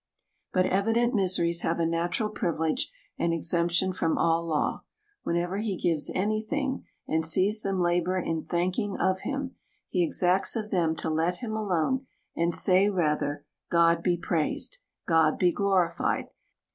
But evident miseries have a natural privilege and exemption from all law. Whenever he gives any thing, and sees them labor in thanking of him, he exacts of them to let him alone, and say rather, " God be praised ! God be glorified